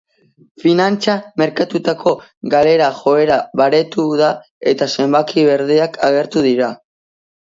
Finantza merkatuetako galera joera baretu da eta zenbaki berdeak agertu dira.